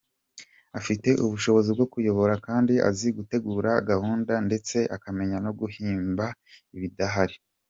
Afite ubushobozi bwo kuyobora kandi azi gutegura gahunda ndetse akamenya no guhimba ibidahari.